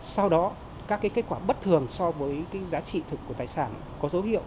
sau đó các kết quả bất thường so với giá trị thực của tài sản có dấu hiệu